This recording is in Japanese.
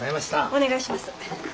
お願いします。